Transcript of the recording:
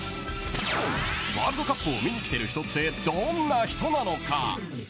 ワールドカップを観に来てる人ってどんな人なのか。